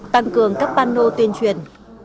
tăng cường các banno tuyên truyền